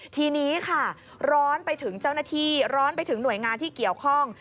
ทีนี้ค่ะร้อนไปถึงเจ้าหน้าที่ร้อนไปถึงหน่วยงานที่เกี่ยวข้อง